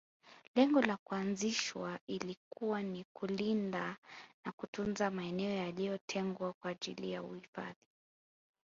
lengo la kuanzishwa ilikuwa ni kulinda na kutunza maeneo yaliotengwa kwa ajili ya uhifadhi